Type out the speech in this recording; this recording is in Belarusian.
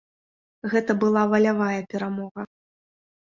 Гэта была валявая перамога.